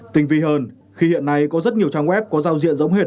tinh vi hơn khi hiện nay có rất nhiều trang web có giao diện giống hệt